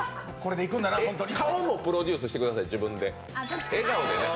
顔もプロデュースしてください、自分で。